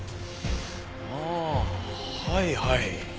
ああはいはい。